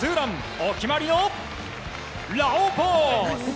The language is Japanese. お決まりのラオウポーズ。